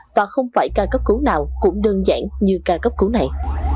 và không phải ca cấp cứu nào cũng đơn giản như ca cấp cứu này